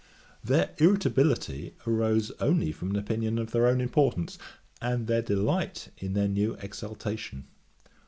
Their irritability arose only from an opinion of their own importance, and their delight in their new exaltation.